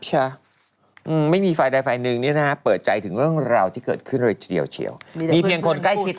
อยู่ในระหว่างตกลงกันตกลงอะไรว่าตกลงอะไร